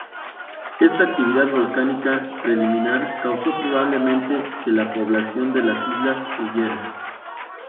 Esta actividad volcánica preliminar causó probablemente que la población de las Islas huyera.